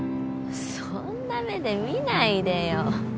そんな目で見ないでよ。